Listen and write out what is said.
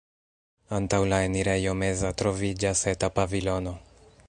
Antaŭ la enirejo meza troviĝas eta pavilono.